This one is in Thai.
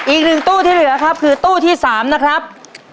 อีก๑ตู้ที่เหลือครับคือตู้ที่๓นะครับ